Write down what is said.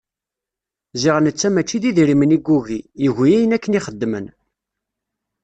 Ziɣ netta mačči d idrimen i yugi, yugi ayen akken i xeddmen.